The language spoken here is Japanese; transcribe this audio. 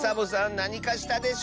なにかしたでしょ